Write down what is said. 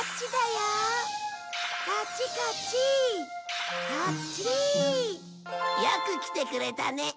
よく来てくれたね。